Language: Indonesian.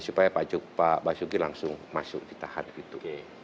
supaya pak jokowi pak basuki langsung masuk ditahan gitu